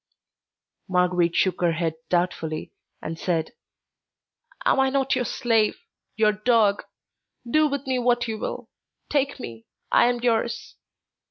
Marguerite shook her head doubtfully, and said: "Am I not your slave, your dog? Do with me what you will. Take me; I am yours."